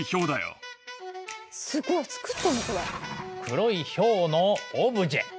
黒いヒョウのオブジェ。